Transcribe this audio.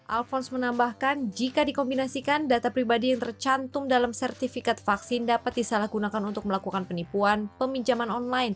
alphonse menambahkan jika dikombinasikan data pribadi yang tercantum dalam sertifikat vaksin dapat disalahgunakan untuk melakukan penipuan peminjaman online